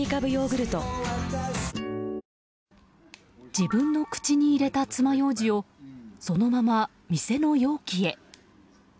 自分の口に入れたつまようじをそのまま店の容器へ。